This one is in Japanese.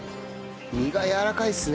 身がやわらかいですね。